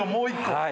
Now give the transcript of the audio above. はい。